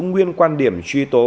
nguyên quan điểm truy tố